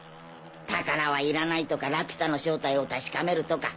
宝はいらないとかラピュタの正体を確かめるとか。